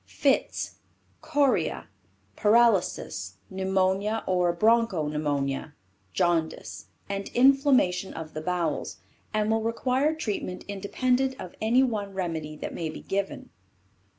Fits, Chorea, Paralysis, Pneumonia or Bronco Pneumonia, Jaundice, and Inflammation of the Bowels, and will require treatment independent of any one remedy that may be given.